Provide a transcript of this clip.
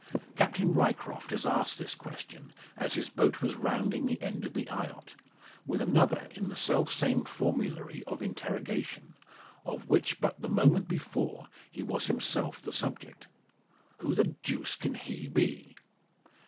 Captain Ryecroft has asked this question as his boat was rounding the end of the eyot, with another in the selfsame formulary of interrogation, of which but the moment before he was himself the subject: "Who the deuce can he be?"